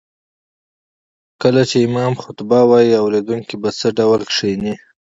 کله چې امام خطبه وايي اوريدونکي به څه ډول کيني